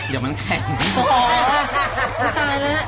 ตายแล้วนะ